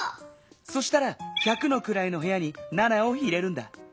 そしたら百のくらいのへやに７を入れるんだ。